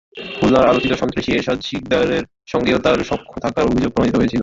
খুলনার আলোচিত সন্ত্রাসী এরশাদ শিকদারের সঙ্গেও তাঁর সখ্য থাকার অভিযোগ প্রমাণিত হয়েছিল।